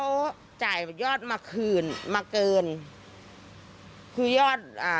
ขอแจยไว้อยากลม่อนาค่ะ